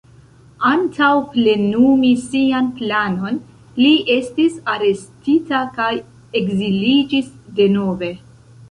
Antaŭ plenumi sian planon, li estis arestita kaj ekziliĝis denove.